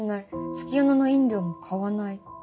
月夜野の飲料も買わない」。